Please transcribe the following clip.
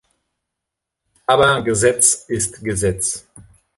Aber Gesetz ist Gesetz.